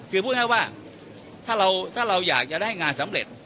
คือพูดง่ายง่ายว่าถ้าเราถ้าเราอยากจะได้ให้งานสำเร็จ